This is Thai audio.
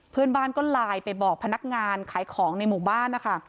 เพื่อนบ้านก็ไลน์ไปบอกพนักงานขายของในหมู่บ้านนะคะ